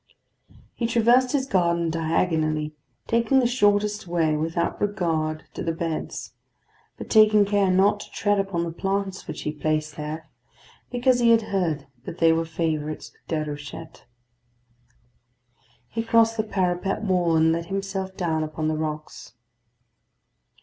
He traversed his garden diagonally, taking the shortest way without regard to the beds, but taking care not to tread upon the plants which he placed there, because he had heard that they were favourites with Déruchette. He crossed the parapet wall, and let himself down upon the rocks.